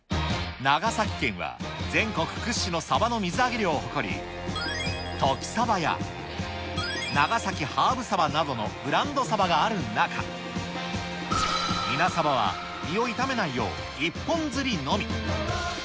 長崎県は、全国屈指のサバの水揚げ量を誇り、トキサバや長崎ハーブ鯖などのブランドサバがある中、いなサバは身を傷めないよう、１本釣りのみ。